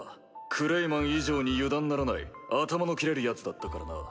クレイマン以上に油断ならない頭の切れるヤツだったからな。